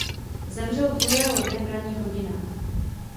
Zemřel druhého dne v ranních hodinách.